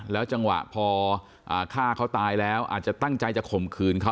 จังหวะพอฆ่าเขาตายแล้วอาจจะตั้งใจจะข่มขืนเขา